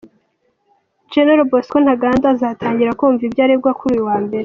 Gen Bosco Ntaganda azatangira kumva ibyo aregwa kuri uyu wa mbere.